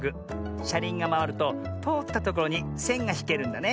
しゃりんがまわるととおったところにせんがひけるんだね。